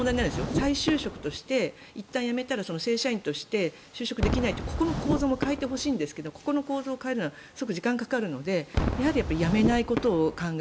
再就職としていったん辞めたら正社員として就職できないとここの構造も変えてほしいんですがここの構造を変えるのは時間がかかるので辞めないことを考える。